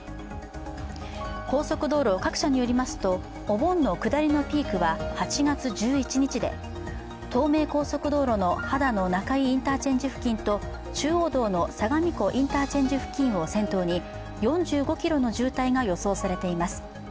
高速道路各社によりますとお盆の下りのピークは８月１１日で東名高速道路の秦野中井インターチェンジ付近と中央道の相模湖インターチェンジ付近を先頭に４５ｋｍの渋滞が予想されています。